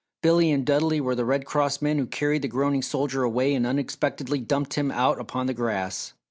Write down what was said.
Billy and Dudley were the Red Cross men who carried the groaning soldier away and unexpectedly dumped him out upon the grass.